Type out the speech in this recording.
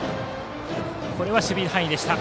これは守備範囲でした。